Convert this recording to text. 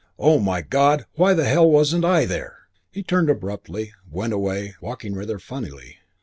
Oh, my God, why the hell wasn't I there?" He turned abruptly and went away, walking rather funnily.